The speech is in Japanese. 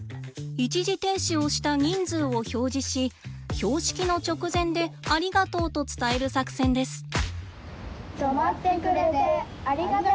一時停止をした人数を表示し標識の直前で「ありがとう」と伝える作戦です。